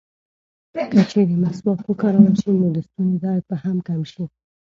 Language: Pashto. که چېرې مسواک وکارول شي، نو د ستوني درد به هم کم شي.